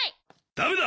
ダメだ！